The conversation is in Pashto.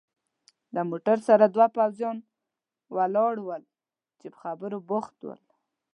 له موټر سره دوه پوځیان ولاړ ول چې په خبرو بوخت ول.